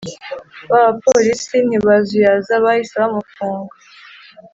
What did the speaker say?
Ba baporisi ntibazuyaza bahise bamufunga